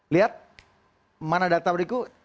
lihat mana data berikut